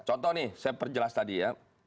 contoh nih saya perjelas tadi ya